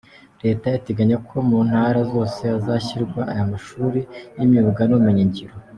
Leta iteganya ko mu Ntara zose hazashyirwa aya mashuri y’imyuga n’ubumenyi ngiro.